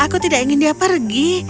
aku tidak ingin dia pergi